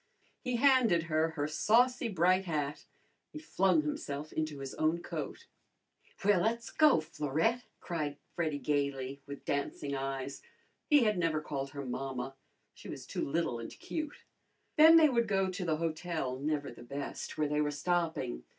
He handed her her saucy bright hat. He flung himself into his own coat. "Well, le's go, Florette!" cried Freddy gayly, with dancing eyes. He had never called her mamma. She was too little and cute. Then they would go to the hotel, never the best, where they were stopping.